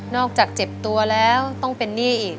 จากเจ็บตัวแล้วต้องเป็นหนี้อีก